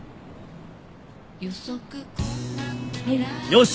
よし！